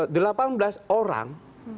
delapan belas orang